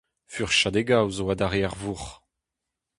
Furchadegoù zo adarre er vourc'h.